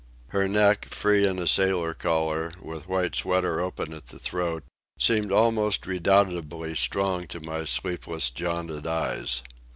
Her neck, free in a sailor collar, with white sweater open at the throat, seemed almost redoubtably strong to my sleepless, jaundiced eyes.